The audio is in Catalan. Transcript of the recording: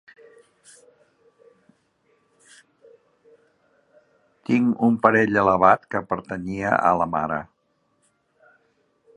Tinc un parell elevat que pertanyia a la mare.